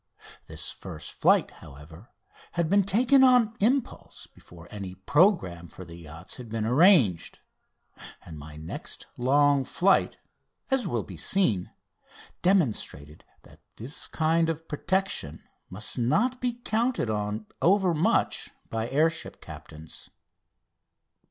This first flight, however, had been taken on impulse before any programme for the yachts had been arranged, and my next long flight, as will be seen, demonstrated that this kind of protection must not be counted on overmuch by air ship captains.